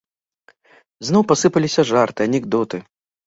Зноў пасыпаліся жарты, анекдоты.